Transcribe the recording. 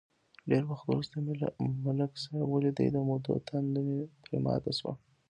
ډېر وخت ورسته مې ملک صاحب ولید، د مودو تنده مې پرې ماته شوه.